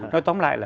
nói tóm lại là